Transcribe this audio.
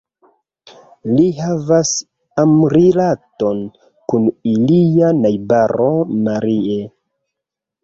Li havas amrilaton kun ilia najbaro Marie.